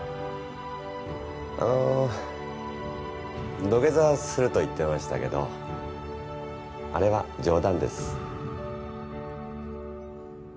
あの土下座すると言ってましたけどあれは冗談です。